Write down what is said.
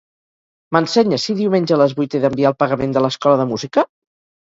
M'ensenyes si diumenge a les vuit he d'enviar el pagament de l'escola de música?